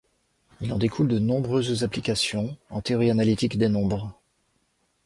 Il en découle de nombreuses applications en théorie analytique des nombres.